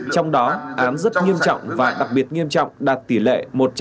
trong đó án rất nghiêm trọng và đặc biệt nghiêm trọng đạt tỷ lệ một trăm linh